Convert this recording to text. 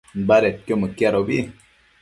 badedquio mëquiadobi